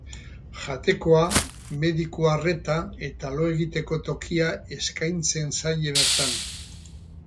Jatekoa, mediku arreta eta lo egiteko tokia eskaintzen zaie bertan.